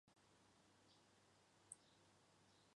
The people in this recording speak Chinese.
县名来自当地的河狸。